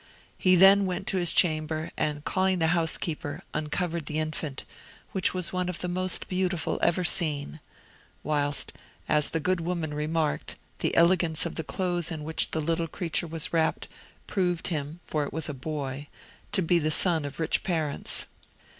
He then went to his chamber, and calling the housekeeper, uncovered the infant, which was one of the most beautiful ever seen; whilst, as the good woman remarked, the elegance of the clothes in which the little creature was wrapped, proved him—for it was a boy—to be the son of rich parents.